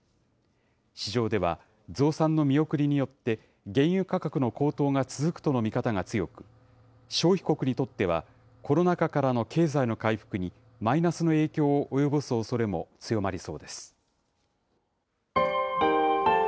市場では、増産の見送りによって、原油価格の高騰が続くとの見方が強く、消費国にとっては、コロナ禍からの経済の回復にマイナスの影響を及ぼすおそれも強まりそうです。